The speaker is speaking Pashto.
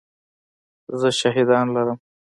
زه شاهدان لرم !